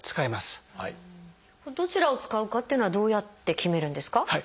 どちらを使うかっていうのはどうやって決めるんですか？